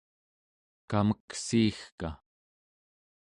kameksiigka